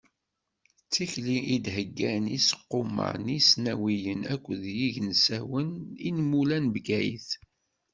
D tikli i d-heggan yiseqquma n yisnawiyen akked yigensasen inmula n Bgayet.